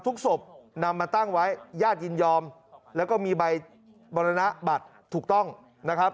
ศพนำมาตั้งไว้ญาติยินยอมแล้วก็มีใบมรณบัตรถูกต้องนะครับ